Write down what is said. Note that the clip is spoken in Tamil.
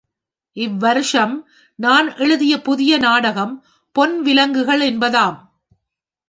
இவ்வருஷம் நான் எழுதிய புதிய நாடகம் பொன் விலங்குகள் என்பதாம்.